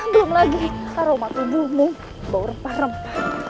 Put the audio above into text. belum lagi aroma tubuhmu bau rempah rempah